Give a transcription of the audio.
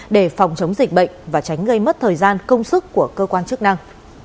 để phòng chống dịch bệnh và tránh gây mất thời gian công sức của cơ quan chức năng